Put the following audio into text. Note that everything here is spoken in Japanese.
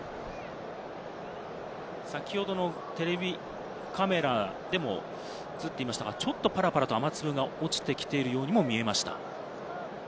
先ほどのテレビカメラでも映っていましたがパラパラと雨粒が落ちてきているようにも見えます。